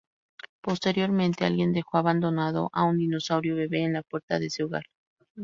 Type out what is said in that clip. Posteriormente, alguien dejó abandonado a un dinosaurio bebe en la puerta de ese hogar.